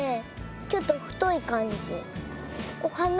ちょっとふといかんじ。